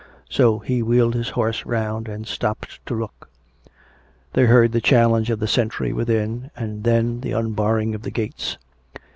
So he wheeled his horse round and stopped to look. They heard the challenge of the sentry within, and then the unbarring of the gates.